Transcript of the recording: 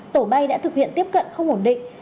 tổ bay đã thực hiện tiếp cận không ổn định